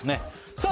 さあ